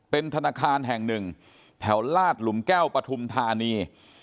เป็นธนาคารแห่งหนึ่งแถวลาดหลุมแก้วปฐุมธานี